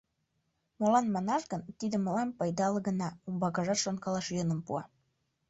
Молан манаш гын, тиде мылам пайдале гына, умбакыжат шонкалаш йӧным пуа.